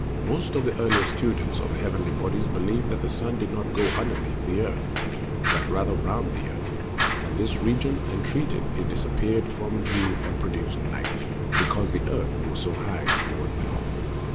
Most of the earlier students of the heavenly bodies believed that the sun did not go underneath the earth, but rather around the earth and this region, and that it disappeared from view and produced night, because the earth was so high toward the north.